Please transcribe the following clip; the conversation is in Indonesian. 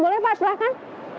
boleh pak silahkan